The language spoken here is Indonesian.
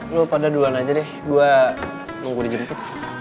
lo pada duluan aja deh gue nunggu dijemput